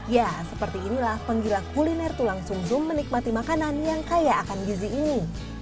ya seperti inilah penggila kuliner tulang sum sum menikmati makanan yang kaya akan gizi ini